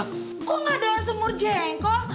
kok gak doyan semur jengkok